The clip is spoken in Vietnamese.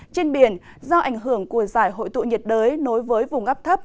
trên biển do ảnh hưởng của giải hội tụ nhiệt đới nối với vùng ấp thấp